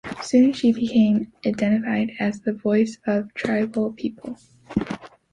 Soon she became identified as the voice of tribal people.